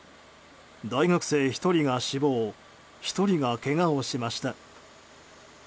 大学生１人が死亡１人がけがをしました。